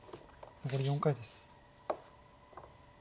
残り４回です。